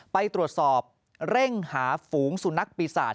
ไปตรวจสอบเร่งหาฝูงสุนัขปีศาจ